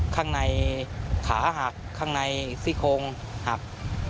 ข้างในขาหักข้างในซี่โครงหัก